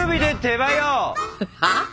はあ？